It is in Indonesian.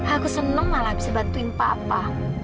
aku senang malah bisa bantuin papa